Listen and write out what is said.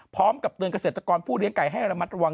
พร้อมกับเตือนเกษตรกรผู้เลี้ยงไก่ให้ระมัดระวัง